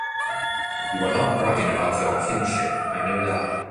You are not bragging about your kinship, I know that...